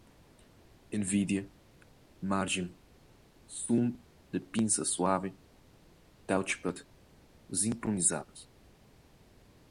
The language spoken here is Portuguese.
nvidia, margem, zoom de pinça suave, touchpad, sincronizadas